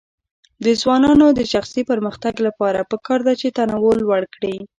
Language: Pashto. د ځوانانو د شخصي پرمختګ لپاره پکار ده چې تنوع لوړ کړي.